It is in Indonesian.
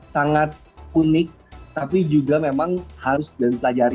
sangat unik tapi juga memang harus dan pelajari